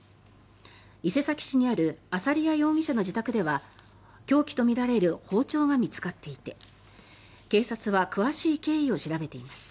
伊勢崎市にあるアサリヤ容疑者の自宅では凶器とみられる包丁が見つかっていて警察は詳しい経緯を調べています。